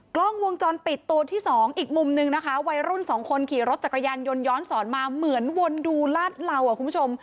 กล้องวงจรปิดตัวที่สองอีกมุมนึงนะคะวัยรุ่นสองคนขี่รถจักรยานยนต์ย้อนสอนมาเหมือนวนดูลาดเหล่าคุณผู้ชม